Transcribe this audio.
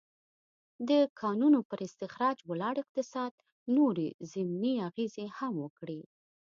د کانونو پر استخراج ولاړ اقتصاد نورې ضمني اغېزې هم وکړې.